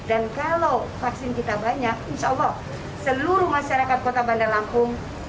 dan kalau vaksin kita banyak insya allah seluruh masyarakat kota bandar lampung